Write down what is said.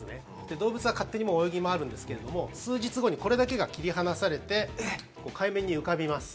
動物は勝手に泳ぎ回るんですけれども数日後にこれだけが切り離されて海面に浮かびます。